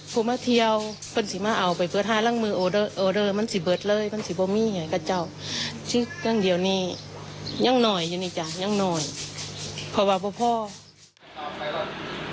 เป็นไงล่ะขายไม่พอ